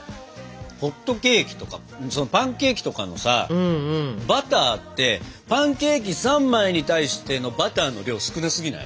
ホットケーキとかパンケーキとかのさバターってパンケーキ３枚に対してのバターの量少なすぎない？